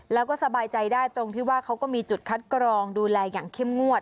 แล้วก็สบายใจได้ตรงที่ว่าเขาก็มีจุดคัดกรองดูแลอย่างเข้มงวด